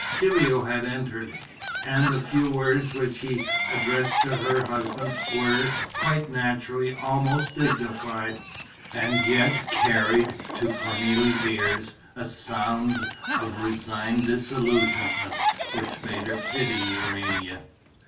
Gilio had entered; and the few words which she addressed to her husband were, quite naturally, almost dignified ... and yet carried, to Cornélie's ears, a sound of resigned disillusionment which made her pity Urania.